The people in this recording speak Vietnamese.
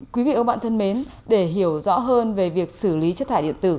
quý vị và các bạn thân mến để hiểu rõ hơn về việc xử lý chất thải điện tử